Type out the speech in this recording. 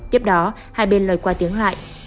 tiếp đó hai bên lời qua tiếng lại